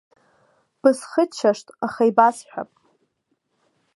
Бысхыччашт, аха ибасҳәап.